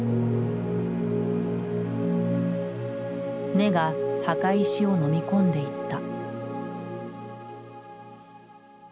根が墓石をのみ込んでいった。